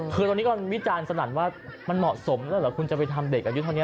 คือตอนนี้ก็วิจารณ์สนั่นว่ามันเหมาะสมแล้วเหรอคุณจะไปทำเด็กอายุเท่านี้